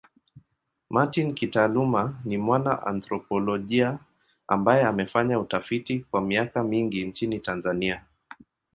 Martin kitaaluma ni mwana anthropolojia ambaye amefanya utafiti kwa miaka mingi nchini Tanzania.